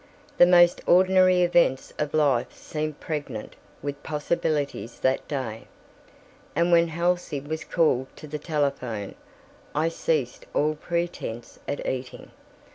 The most ordinary events of life seemed pregnant with possibilities that day, and when Halsey was called to the telephone, I ceased all pretense at eating.